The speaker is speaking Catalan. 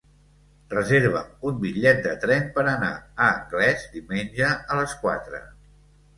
Reserva'm un bitllet de tren per anar a Anglès diumenge a les quatre.